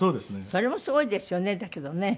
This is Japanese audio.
それもすごいですよねだけどね。